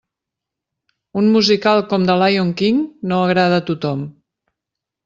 Un musical com The Lyon King no agrada a tothom.